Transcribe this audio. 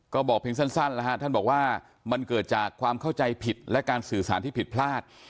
ก็บอกเพียงสั้นแล้วฮะท่านบอกว่ามันเกิดจากความเข้าใจผิดและการสื่อสารที่ผิดพลาด